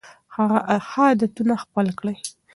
ښه عادتونه خپل کړئ.